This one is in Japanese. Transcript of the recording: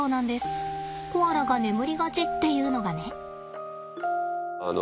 コアラが眠りがちっていうのがね。